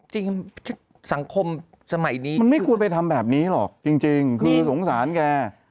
สังคมสมัยนี้มันไม่ควรไปทำแบบนี้หรอกจริงคือสงสารแก